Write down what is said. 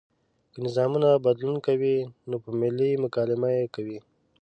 که نظامونه بدلون کوي نو په ملي مکالمه یې کوي.